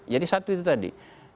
jadi satu itu tadi